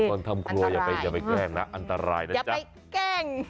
คนทำครัวอย่าไปแกล้งนะอันตรายนะจ๊ะ